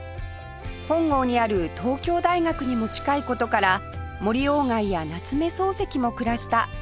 本郷にある東京大学にも近い事から森外や夏目漱石も暮らした文学の街です